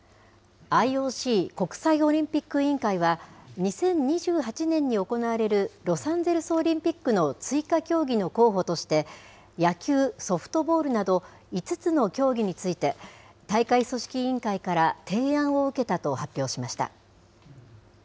ＩＯＣ・国際オリンピック委員会は、２０２８年に行われるロサンゼルスオリンピックの追加競技の候補として、野球・ソフトボールなど５つの競技について、大会組織委員会から提案を受けたと発表しました。